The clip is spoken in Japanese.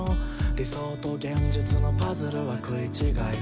「理想と現実のパズルは食い違い」